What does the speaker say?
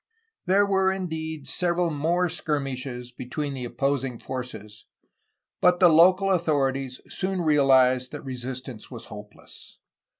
There were indeed several more skirmishes between the opposing forces, but the local authorities soon realized that resistance was hopeless.